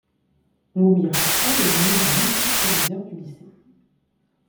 Louis Rascol est le nom d'un ancien proviseur du lycée.